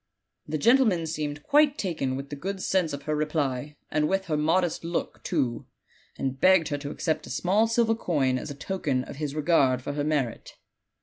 The gentle man seemed quite taken with the good sense of her reply, and with her modest look, too, and begged her to accept a small silver coin as a token of his regard for her merit."